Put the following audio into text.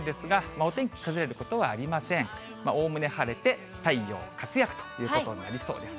おおむね晴れて、太陽活躍ということになりそうです。